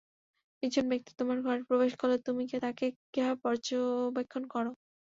একজন ব্যাক্তি তোমার ঘরে প্রবেশ করলে তুমি তাকে কিভাবে পর্যবেক্ষণ করো?